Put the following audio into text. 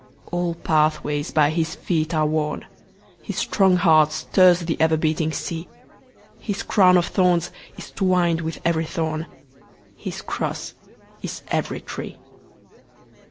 All pathways by his feet are worn, His strong heart stirs the ever beating sea, His crown of thorns is twined with every thorn, His cross is every tree.